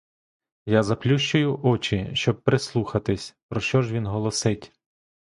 Я заплющую очі, щоб прислухатись, про що ж він голосить.